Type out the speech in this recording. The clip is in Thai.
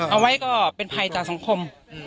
เอาไว้ก็เป็นภัยต่อสังคม